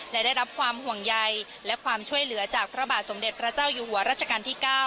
และได้รับความห่วงใยและความช่วยเหลือจากพระบาทสมเด็จพระเจ้าอยู่หัวรัชกาลที่๙